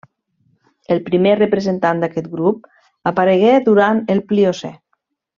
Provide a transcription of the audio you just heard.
El primer representant d'aquest grup aparegué durant el Pliocè.